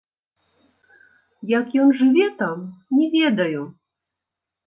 Як ён жыве там, не ведаю.